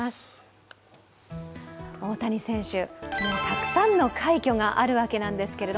大谷選手、もうたくさんの快挙があるわけなんですけど